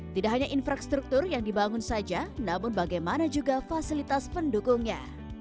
tidak hanya infrastruktur yang dibangun saja namun bagaimana juga fasilitas pendukungnya